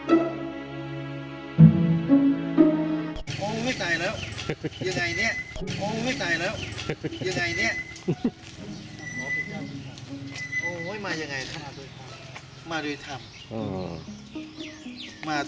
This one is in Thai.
อาทาราศุนาสตร์